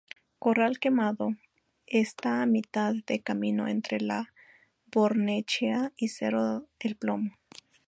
Corral Quemado está a mitad de camino entre Lo Barnechea y Cerro el Plomo.